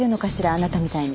あなたみたいに。